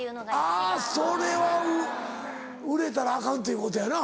あぁそれは売れたらアカンということやな